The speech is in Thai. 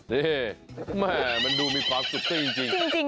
เฮ้ยแม่มันดูมีความสุขจริง